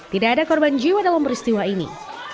tidak ada korban jiwa dalam peristiwa ini